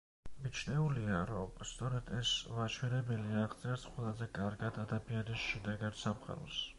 მიჩნეულია, რომ სწორედ ეს მაჩვენებელი აღწერს ყველაზე კარგად ადამიანის შინაგან სამყაროს.